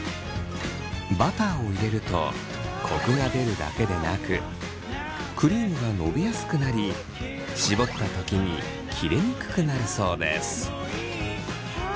バターを入れるとコクが出るだけでなくクリームがのびやすくなり絞った時に切れにくくなるそうです。